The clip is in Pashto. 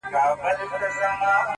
حقیقت خپله لاره مومي,